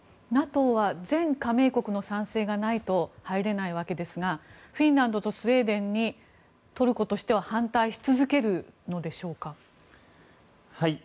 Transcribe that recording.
ＮＡＴＯは全加盟国の賛成がないと入れないわけですがフィンランドとスウェーデンにトルコとしては反対し続けるのでしょうか？